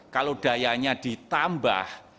kalau dayanya ditambah